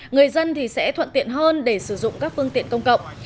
người dân sẽ thuận tiện hơn để sử dụng các phương tiện công cộng